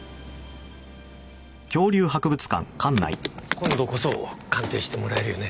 今度こそ鑑定してもらえるよね？